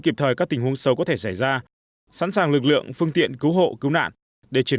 kịp thời các tình huống xấu có thể xảy ra sẵn sàng lực lượng phương tiện cứu hộ cứu nạn để triển